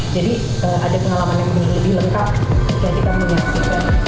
jadi ada pengalaman yang lebih lengkap yang kita menyaksikan